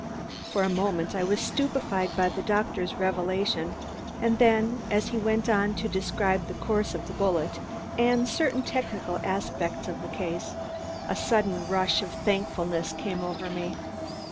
For a moment I was stupefied by the doctor's revelation, and then, as he went on to describe the course of the bullet, and certain technical aspects of the case, a sudden rush of thankfulness came over me.